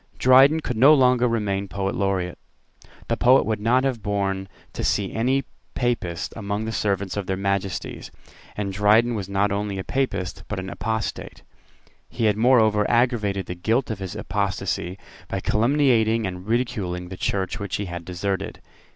Dryden could no longer remain Poet Laureate. The public would not have borne to see any Papist among the servants of their Majesties; and Dryden was not only a Papist, but an apostate. He had moreover aggravated the guilt of his apostasy by calumniating and ridiculing the Church which he had deserted.